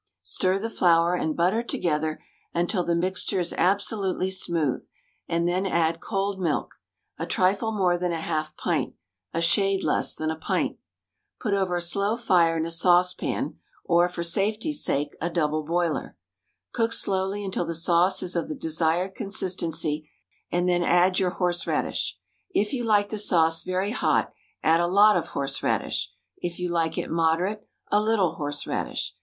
Stir the flour and butter together until the mixture is absolutely smooth, and then add cold milk — a trifle more than a half pint, a shade less than a pint. Put over a slow fire in a sauce pan or, for safety's sake, a double boiler. Cook slowly until the sauce is of the desired consistency, and then add your horseradish. If you like the sauce very hot add a lot of horseradish. If you like it moderate, a little horseradish.